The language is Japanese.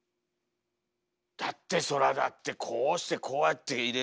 だってそらだってこうしてこうやって入れるよりかは。